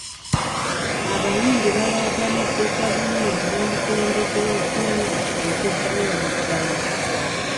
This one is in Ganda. Abayimbi balaajanidde gavumeenti n’omukulembeze w’eggwanga okugyawo omuggalo.